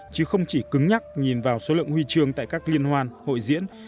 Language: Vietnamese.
chứ không chỉ cứng nhắc nhìn vào số lượng huy chương tại các liên hoan hội diễn